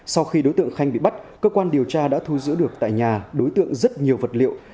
sau khi đối tượng khanh bị bắt cơ quan điều tra đã thu giữ được tại nhà đối tượng rất nhiều vật liệu